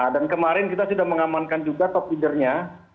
dan kemarin kita sudah mengamankan juga top leader nya